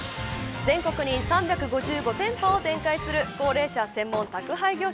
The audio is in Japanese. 全国に３５５店舗を展開する高齢者専門宅配業者。